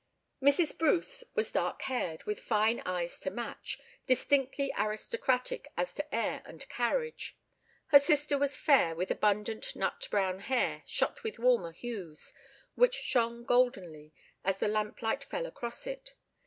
Mrs. Bruce was dark haired, with fine eyes to match, distinctly aristocratic as to air and carriage; her sister was fair, with abundant nut brown hair shot with warmer hues, which shone goldenly as the lamplight fell across it.